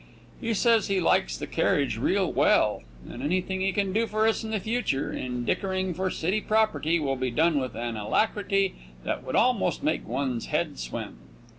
He says he likes the carriage real well, and anything he can do for us in the future in dickering for city property will be done with an alacrity that would almost make one's head swim.